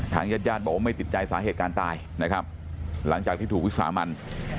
ญาติญาติบอกว่าไม่ติดใจสาเหตุการณ์ตายนะครับหลังจากที่ถูกวิสามัน